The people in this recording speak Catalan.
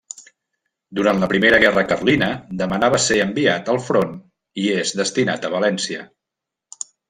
Durant la primera guerra carlina demana ser enviat al front i és destinat a València.